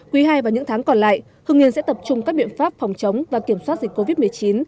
quý hai và những tháng còn lại hưng yên sẽ tập trung các biện pháp phòng chống và kiểm soát dịch covid một mươi chín